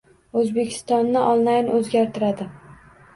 O'zbekistonni onlayn o'zgartiradi!